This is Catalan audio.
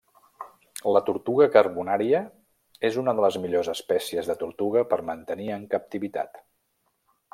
La tortuga carbonària és una de les millors espècies de tortuga per mantenir en captivitat.